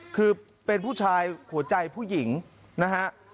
คือเป็นผู้ชายหัวใจผู้หญิงนะฮะ